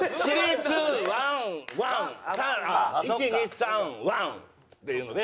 「１２３」「ワン！」っていうので。